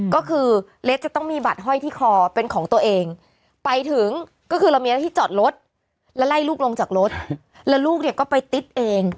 ก็คือเล็กจะต้องมีบัตรห้อยที่คอเป็นของตัวเองไปถึงก็คือเรามีหน้าที่จอดรถแล้วไล่ลูกลงจากรถแล้วลูกเนี่ยก็ไปติดเอง